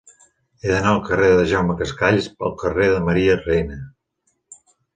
He d'anar del carrer de Jaume Cascalls al carrer de Maria Reina.